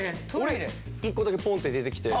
俺１個だけポンって出てきて。